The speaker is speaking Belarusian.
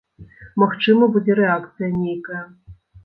Магчыма, будзе рэакцыя нейкая.